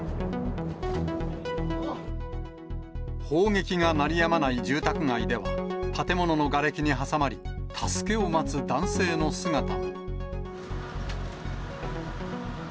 砲撃が鳴りやまない住宅街では、建物のがれきに挟まり、助けを待つ男性の姿も。